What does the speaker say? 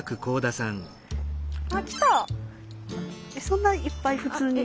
そんないっぱい普通に？